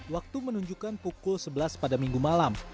waktu menunjukkan pukul sebelas pada minggu malam